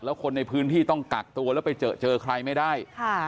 แล้วคนในพื้นที่ต้องกักตัวแล้วไปเจอเจอใครไม่ได้